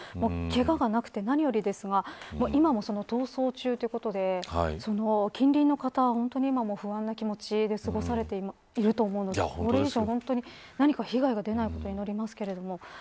けががなくて、何よりですが今も逃走中ということで近隣の方は今も不安な気持ちで過ごされていると思うのでこれ以上何か被害が出ないことを祈ります。